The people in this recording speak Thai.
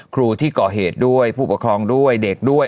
ครูที่ก่อเหตุด้วยผู้ปกครองด้วยเด็กด้วย